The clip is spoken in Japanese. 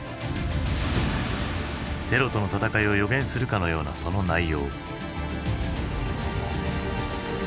テロとの戦いを予言するかのようなその内容。